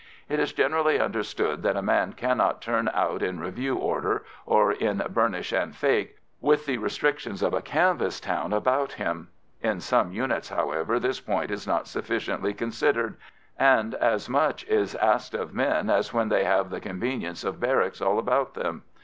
It is generally understood that a man cannot turn out in review order, or in "burnish and fake," with the restrictions of a canvas town about him. In some units, however, this point is not sufficiently considered, and as much is asked of men as when they have the conveniences of barracks all about them.